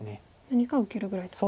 何か受けるぐらいと。